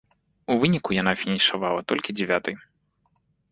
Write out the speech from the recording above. У выніку яна фінішавала толькі дзявятай.